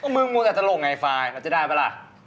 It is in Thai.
มึงงอ่อตลกไงไอต์ไฟแล้วจะได้ปเหรอ